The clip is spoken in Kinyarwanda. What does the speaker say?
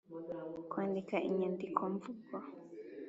kwandika inyandikomvugo